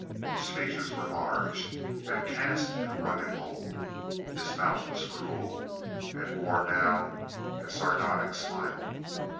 His features were large and cast in a rugged mold. His mouth was cruel, and wore now a sardonic smile.